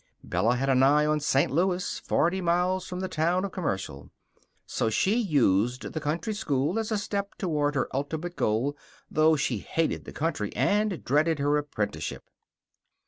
Bella had an eye on St. Louis, forty miles from the town of Commercial. So she used the country school as a step toward her ultimate goal, though she hated the country and dreaded her apprenticeship.